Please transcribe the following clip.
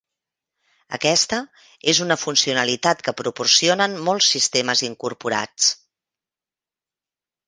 Aquesta és una funcionalitat que proporcionen molts sistemes incorporats.